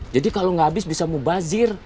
jadi kalau nggak habis bisa mubazir